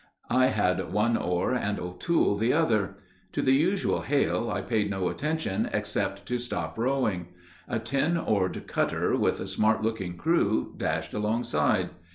I had one oar, and O'Toole the other. To the usual hail I paid no attention except to stop rowing. A ten oared cutter with a smart looking crew dashed alongside.